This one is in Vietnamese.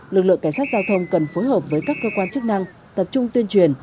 lực lượng cảnh sát giao thông cần phối hợp với các cơ quan chức năng tập trung tuyên truyền